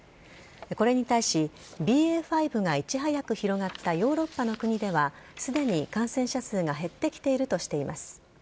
これに対しＢＡ．５がいち早く広がったヨーロッパの国ではすでに感染者数が減ってきているとしています。